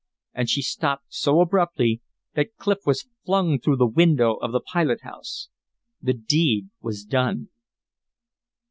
And she stopped so abruptly that Clif was flung through the window of the pilot house. The deed was done!